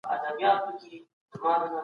په دنیا کي د هر چا د ژوند حق سته.